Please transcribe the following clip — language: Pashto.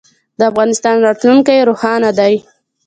د افغانستان راتلونکی روښانه دی